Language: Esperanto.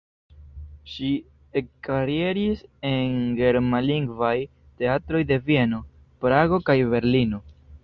Ŝi ekkarieris en germanlingvaj teatroj de Vieno, Prago kaj Berlino.